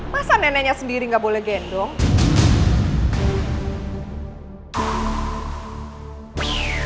masa neneknya sendiri nggak boleh gendong